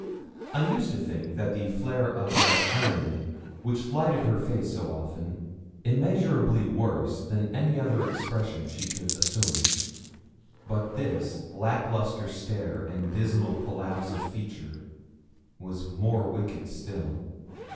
I used to think the flare of that irony which lighted her face so often immeasurably worse than any other expression she could assume; but this lack lustre stare and dismal collapse of feature was more wicked still.